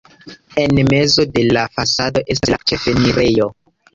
En mezo de la fasado estas la ĉefenirejo.